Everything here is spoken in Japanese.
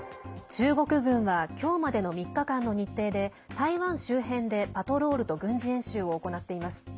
中国軍は今日までの３日間の日程で台湾周辺で、パトロールと軍事演習を行っています。